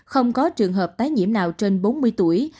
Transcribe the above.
không có trường hợp tái nhiễm nào trên bốn mươi tuổi